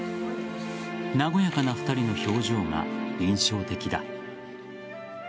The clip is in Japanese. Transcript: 和やかな２人の表情が印象的だ。